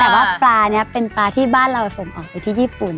แต่ว่าปลานี้เป็นปลาที่บ้านเราส่งออกไปที่ญี่ปุ่น